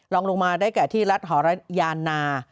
ลองลงมาได้แก่ที่รัฐหรยานา